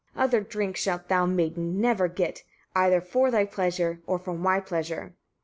Other drink shalt thou, maiden! never get, either for thy pleasure, or for my pleasure.